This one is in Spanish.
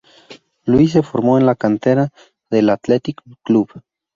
Luis se formó en la cantera del Athletic Club.